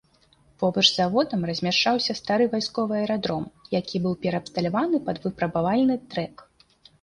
Побач з заводам размяшчаўся стары вайсковы аэрадром, які быў пераабсталяваны пад выпрабавальны трэк.